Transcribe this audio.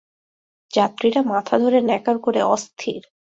যাত্রীরা মাথা ধরে ন্যাকার করে অস্থির।